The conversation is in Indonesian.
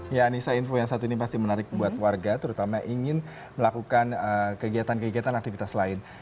ya anissa info yang satu ini pasti menarik buat warga terutama ingin melakukan kegiatan kegiatan aktivitas lain